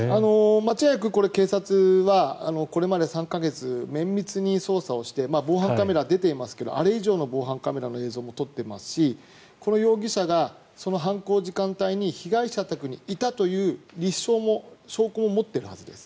間違いなく警察はこれまで３か月綿密に捜査をして防犯カメラが出ていますがあれ以上の防犯カメラの映像も撮っていますしこの容疑者が、その犯行時間帯に被害者宅にいたという立証も、証拠も持っているはずです。